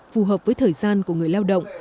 phù hợp với thời gian của người lao động